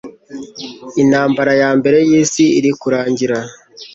intambara ya mbere y'isi iri kurangira.